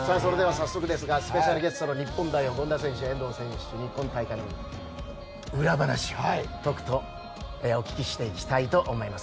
早速ですがスペシャルゲストの権田選手、遠藤選手に今大会の裏話をとくとお聞きしていきたいと思います。